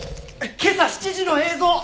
今朝７時の映像！